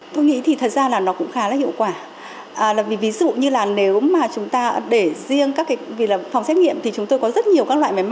tôi nghĩ thì thật ra là nó cũng khá là hiệu quả ví dụ như là nếu mà chúng ta để riêng các cái vì là phòng xét nghiệm thì chúng tôi có rất nhiều các loại máy máy